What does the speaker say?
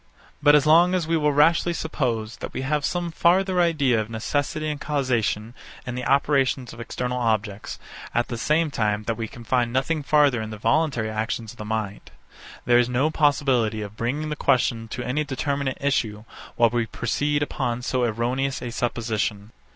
But as long as we will rashly suppose, that we have some farther idea of necessity and causation in the operations of external objects; at the same time, that we can find nothing farther in the voluntary actions of the mind; there is no possibility of bringing the question to any determinate issue, while we proceed upon so erroneous a supposition.